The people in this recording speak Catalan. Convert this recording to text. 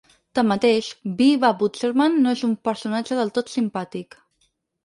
Tanmateix, Bi–Ba–Butzemann no és un personatge del tot simpàtic.